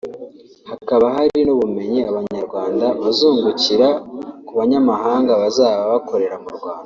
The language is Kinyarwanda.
hakaba hari n’ubumenyi Abanyarwanda bazungukira ku banyamahanga bazaba bakorera mu Rwanda